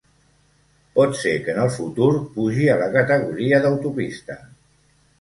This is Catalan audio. Pot ser que en el futur pugi a la categoria d'autopista.